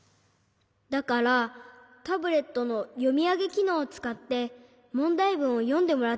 だからタブレットのよみあげきのうをつかってもんだいぶんをよんでもらってるんだ。